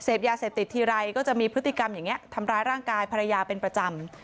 ยาเสพติดทีไรก็จะมีพฤติกรรมอย่างนี้ทำร้ายร่างกายภรรยาเป็นประจำ